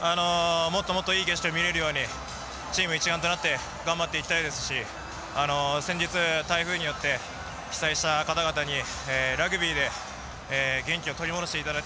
もっともっといい景色を見れるようにチーム一丸となって頑張っていきたいですし先日台風によって被災した方々にラグビーで元気を取り戻していただきたい。